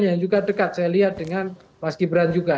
yang juga dekat saya lihat dengan mas gibran juga